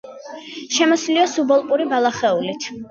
შემოსილია სუბალპური ბალახეულით.